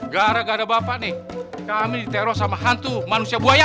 gara gara bapak nih kami diterok sama hantu manusia buaya